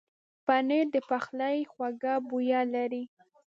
پنېر د پخلي خوږه بویه لري.